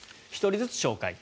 １人ずつ紹介。